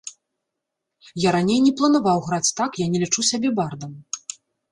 Я раней не планаваў граць так, я не лічу сябе бардам.